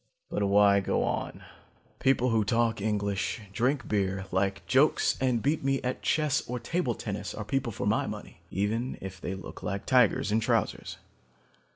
"But why go on? People who talk English, drink beer, like jokes and beat me at chess or table tennis are people for my money, even if they look like tigers in trousers.